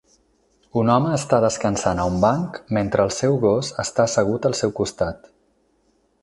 Un home està descansant a un banc mentre el seu gos està assegut al seu costat.